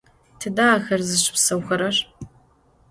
Tıde axer zışıpseuxerer?